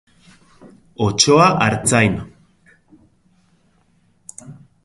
Otsoa artzain.